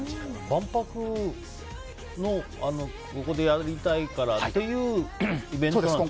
万博をここでやりたいからっていうイベントなんでしょ。